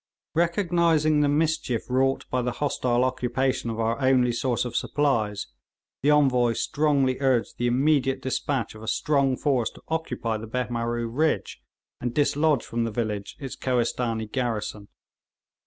Recognising the mischief wrought by the hostile occupation of our only source of supplies, the Envoy strongly urged the immediate despatch of a strong force to occupy the Behmaroo ridge, and dislodge from the village its Kohistanee garrison.